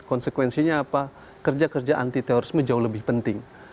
konsekuensinya apa kerja kerja anti terorisme jauh lebih penting